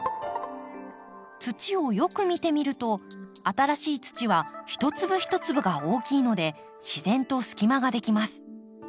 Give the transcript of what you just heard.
土をよく見てみると新しい土は一粒一粒が大きいので自然と隙間ができます。